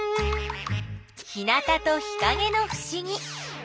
日なたと日かげのふしぎ。